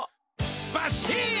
バッシン！